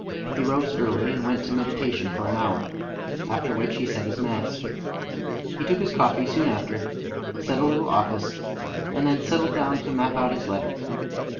He rose early, and went to meditation for an hour, after which he said his mass. He took his coffee soon after, said a little office, and then settled down to map out his letter.